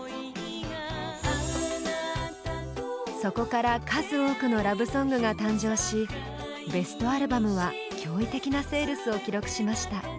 そこから数多くのラブソングが誕生しベストアルバムは驚異的なセールスを記録しました。